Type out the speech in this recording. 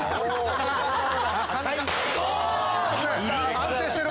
安定してる。